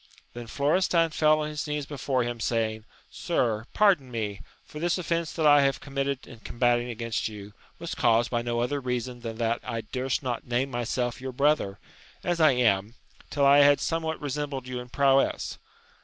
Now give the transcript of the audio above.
Then Florestan fell on his knees before him, saying, Sir, pardon me ! for this offence that I have committed in combatting against you, was caused by no other reason than that I durst not name myself your brother, as I am, till I had somewhat resembled you in prowess.